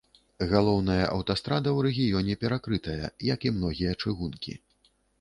Галоўная аўтастрада ў рэгіёне перакрытая, як і многія чыгункі.